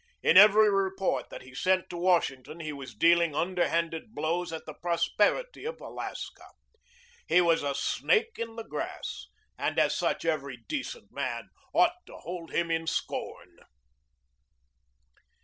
In every report that he sent to Washington he was dealing underhanded blows at the prosperity of Alaska. He was a snake in the grass, and as such every decent man ought to hold him in scorn.